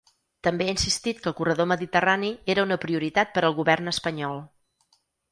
També ha insistit que el corredor mediterrani era una prioritat per al govern espanyol.